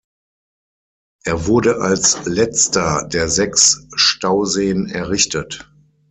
Er wurde als letzter der sechs Stauseen errichtet.